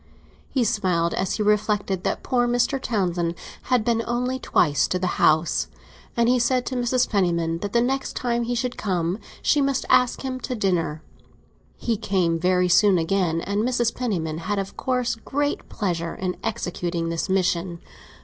He smiled as he reflected that poor Mr. Townsend had been only twice to the house, and he said to Mrs. Penniman that the next time he should come she must ask him to dinner. He came very soon again, and Mrs. Penniman had of course great pleasure in executing this mission.